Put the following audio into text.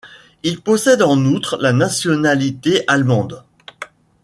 Il possède en outre la nationalité allemande.